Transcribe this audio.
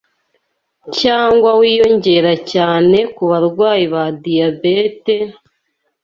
cg wiyongera cyane ku barwayi ba diyabete,